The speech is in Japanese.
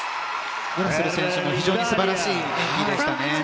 グラスル選手も非常に素晴らしい演技でしたね。